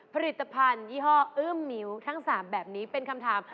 ผลิตภัณฑ์ยี่ห้ออึ้มนิ้วทั้ง๓แบบนี้เป็นคำถาม